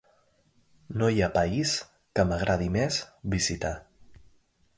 No hi ha país que m’agradi més visitar.